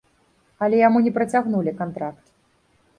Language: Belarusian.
Але яму не працягнулі кантракт.